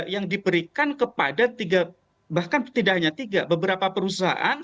yang diberikan kepada tiga bahkan tidak hanya tiga beberapa perusahaan